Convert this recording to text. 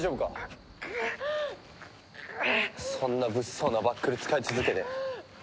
そんな物騒なバックル使い続けて。